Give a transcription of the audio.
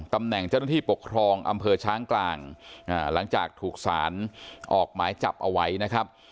ตำแหน่งเจ้าหน้าที่ปกครองอำเภอช้างกลางหลังจากถูกสารออกหมายจับเอาไว้นะครับ